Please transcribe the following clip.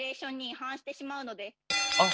あっ。